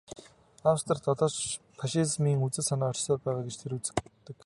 Австрид одоо ч фашизмын үзэл санаа оршсоор байгаа гэж тэр үздэг.